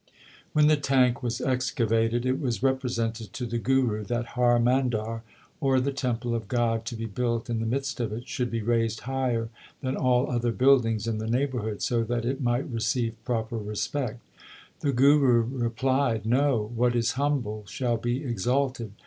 When the tank was excavated, it was represented to the Guru that Har Mandar, or the temple of God to be built in the midst of it, should be raised higher than all other buildings in the neighbourhood, so that it might receive proper respect. The Guru replied : No ; what is humble shall be exalted.